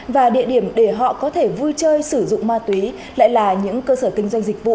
và địa điểm để họ có thể vui chơi sử dụng ma túy lại là những cơ sở kinh doanh dịch vụ